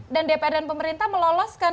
dan dpr dan pemerintah meloloskan